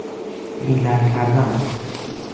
حیله کردن